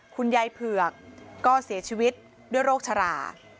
คุณยายเผือกก็เสียชีวิตด้วยโรคชรา